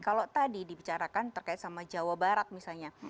kalau tadi dibicarakan terkait sama jawa barat misalnya